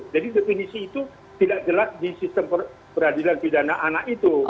jadi definisi itu tidak jelas di sistem peradilan pidana anak itu